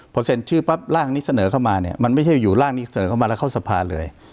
พอเซ็นชื่อปั๊บร่างนี้เสนอเข้ามาเนี่ยมันไม่ใช่อยู่ร่างนี้เสนอเข้ามาแล้วเข้าสภาเลย